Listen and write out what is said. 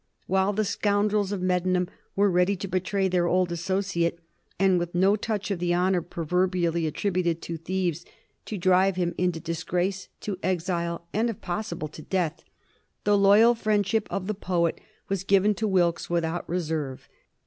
While the scoundrels of Medmenham were ready to betray their old associate, and, with no touch of the honor proverbially attributed to thieves, to drive him into disgrace, to exile, and if possible to death, the loyal friendship of the poet was given to Wilkes without reserve.